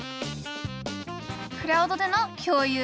クラウドでの共有。